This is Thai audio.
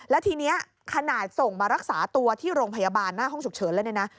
แล้วทีนี้ขนาดส่งมารักษาตัวที่โรงพยาบาลหน้าห้องฉุกเฉิน